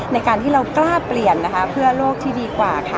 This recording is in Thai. ในการที่เรากล้าเปลี่ยนนะคะเพื่อโลกที่ดีกว่าค่ะ